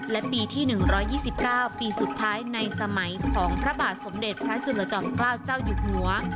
และปีที่๑๒๙ปีสุดท้ายในสมัยของพระบาทสมเด็จพระจุลจอมเกล้าเจ้าอยู่หัว